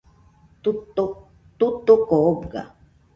Tutuko oga